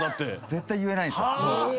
絶対言えないんですよ。